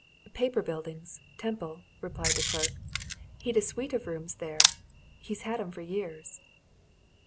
"Paper Buildings, Temple," replied the clerk. "He'd a suite of rooms there he's had 'em for years."